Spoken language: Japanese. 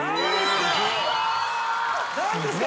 何ですか！？